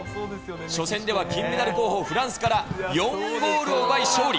初戦では金メダル候補フランスから４ゴールを奪い勝利。